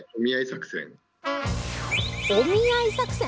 お見合い作戦。